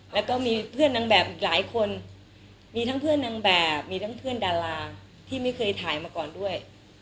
แล้วก็มีเพื่อนนางแบบอีกหลายคนมีทั้งเพื่อนนางแบบมีทั้งเพื่อนดาราที่ไม่เคยถ่ายมาก่อนด้วย